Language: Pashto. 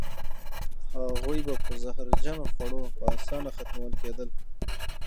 هغوی به په زهرجنو خوړو په اسانه ختمول کېدل.